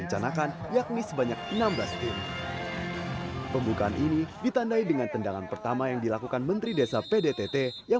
yang saya ingin mengadakan dari pengelolaan dana desa adalah faktor pendamping